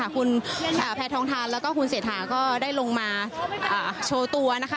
คุณแพทองทานแล้วก็คุณเศรษฐาก็ได้ลงมาโชว์ตัวนะคะ